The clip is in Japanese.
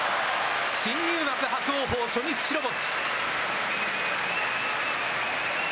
新入幕伯桜鵬初日白星。